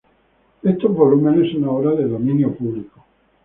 Estos volúmenes son ahora de dominio público.